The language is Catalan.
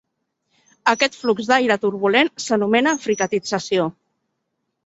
Aquest flux d'aire turbulent s'anomena fricatització.